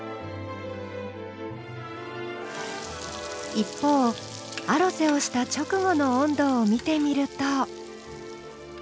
一方アロゼをした直後の温度を見てみると。